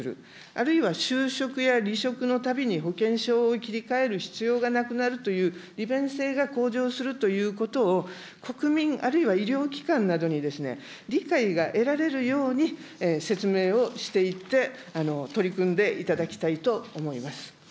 あるいは就職や離職のたびに保険証を切り替える必要がなくなるという利便性が向上するということを、国民、あるいは医療機関などに理解が得られるように説明をしていって、取り組んでいただきたいと思います。